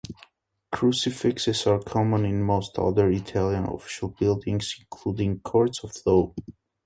Crucifixes are common in most other Italian official buildings, including courts of law.